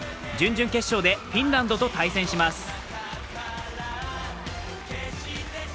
準々決勝でフィンランドと対戦します。